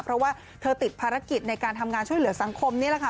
เพราะว่าเธอติดภารกิจในการทำงานช่วยเหลือสังคมนี่แหละค่ะ